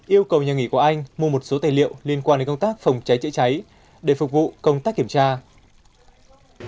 yêu cầu nhà nghỉ gia bảo có địa chỉ tại phường long thủy thị xã phước long tỉnh bình phước